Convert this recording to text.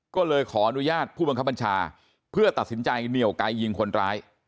ก็เลยขออนุญาตผู้บังคับบัญชาเพื่อตัดสินใจเหนียวไกลยิงคนร้าย